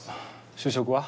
就職は？